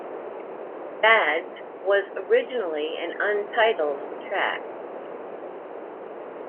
"Badge" was originally an untitled track.